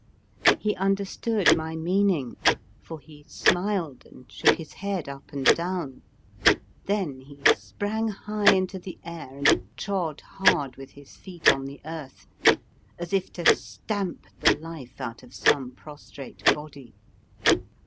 He understood my meaning, for he smiled and shook his head up and down ; then he sprang high into the air and trod hard with his feet on the earth, as if to stamp the life out of some prostrate body.